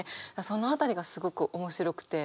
その辺りがすごく面白くて。